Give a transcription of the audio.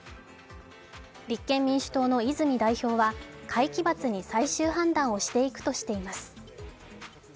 立憲民主党の泉代表は会期末に最終判断をしていくといしています。